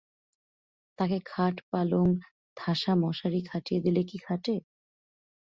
তাকে খাট-পালঙ্ক থাসা মশারি খাটিয়ে দিলে কি খাটে?